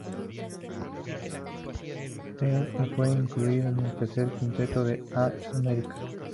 En y fue incluido en el tercer quinteto del All-American.